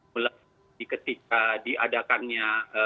mulai ketika diadakannya